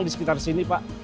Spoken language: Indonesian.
di sekitar sini pak